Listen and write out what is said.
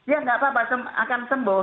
ya nggak apa apa akan sembuh